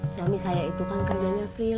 suami saya itu kang kerjanya freelance